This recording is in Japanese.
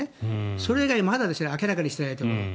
それ以外、まだ明らかにしていないところがある。